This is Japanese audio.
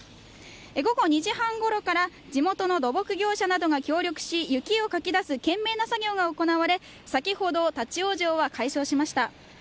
午後２時半ごろから地元の土木業者などが協力し、雪をかき出す懸命な作業が行われ先ほど立ち往生は解消しました。